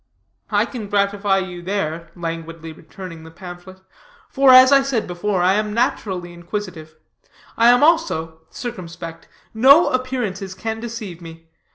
"I can gratify you there," languidly returning the pamphlet; "for, as I said before, I am naturally inquisitive; I am also circumspect. No appearances can deceive me.